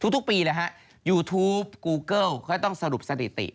ทุกปียูทูปกูเกิ้ลก็จะต้องสรุปสถิติ